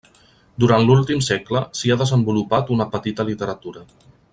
Durant l'últim segle, s'hi ha desenvolupat una petita literatura.